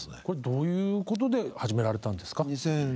これどういうことで始められたんですか？